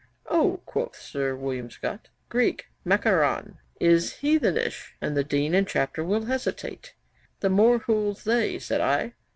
"Oh," quoth Sir William Scott, "[Greek: makaron] is Heathenish, and the Dean and Chapter will hesitate." "The more fools they," said I.